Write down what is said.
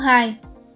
điền mã otp